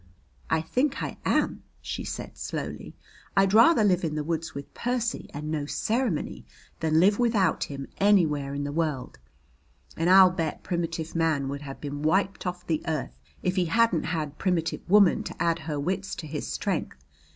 "I think I am," she said slowly. "I'd rather live in the woods with Percy and no ceremony than live without him anywhere in the world. And I'll bet primitive man would have been wiped off the earth if he hadn't had primitive woman to add her wits to his strength.